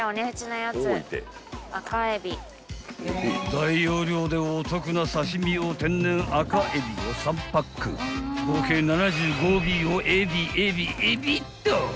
［大容量でお得な刺身用天然赤海老を３パック合計７５尾をエビエビエビっと］